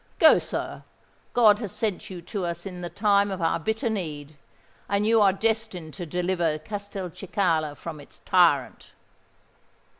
Go, sir: God has sent you to us in the time of our bitter need; and you are destined to deliver Castelcicala from its tyrant."